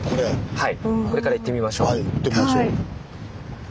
はい。